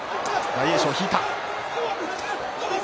大栄翔、引いた。